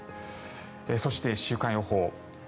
そして、週間予報。